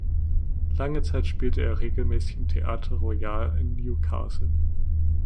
Lange Zeit spielte er regelmäßig im Theater Royal in Newcastle.